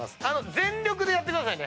全力でやってくださいね。